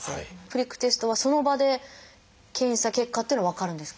プリックテストはその場で検査結果っていうのは分かるんですか？